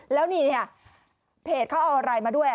แล้วนี่เนี่ยเพจเขาเอาอะไรมาด้วย